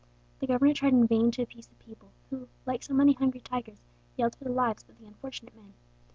The governor tried in vain to appease the people, who, like so many hungry tigers, yelled for the lives of the unfortunate men.